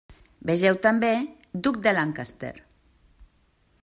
Vegeu també Duc de Lancaster.